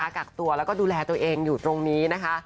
กักตัวแล้วก็ดูแลตัวเองอยู่ตรงนี้นะคะ